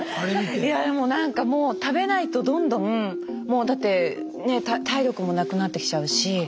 いやでもなんかもう食べないとどんどんだって体力もなくなってきちゃうし。